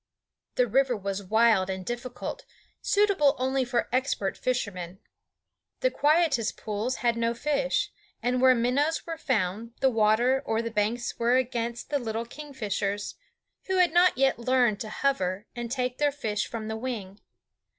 The river was wild and difficult, suitable only for expert fishermen. The quietest pools had no fish, and where minnows were found the water or the banks were against the little kingfishers, who had not yet learned to hover and take their fish from the wing.